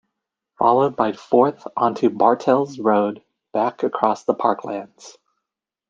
Followed by fourth onto Bartels Road back across the parklands.